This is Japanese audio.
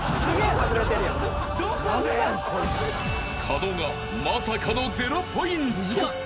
［狩野がまさかの０ポイント］